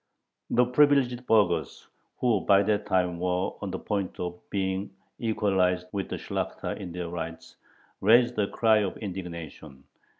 The privileged burghers, who by that time were on the point of being equalized with the Shlakhta in their rights, raised a cry of indignation.